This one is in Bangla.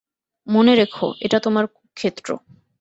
মনে রেখো, এটা তোমার ক্ষেত্র।